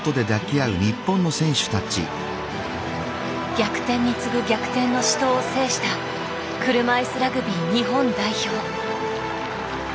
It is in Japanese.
逆転に次ぐ逆転の死闘を制した車いすラグビー日本代表。